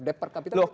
dep per kapita berapa